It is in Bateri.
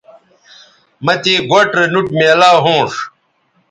مہ تے گوٹھ رے نوٹ میلاو ھونݜ